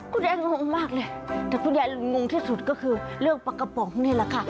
คุณยายงงมากเลยแต่คุณยายงงที่สุดก็คือเรื่องปลากระป๋องนี่แหละค่ะ